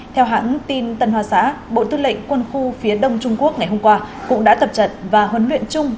theo hãng tin tân hoa xã bộ tư lệnh quân khu phía đông trung quốc ngày hôm qua cũng đã tập trận và huấn luyện chung